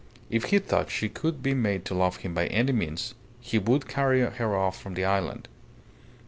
If he thought she could be made to love him by any means, he would carry her off from the island.